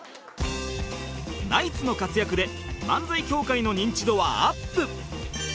ナイツの活躍で漫才協会の認知度はアップ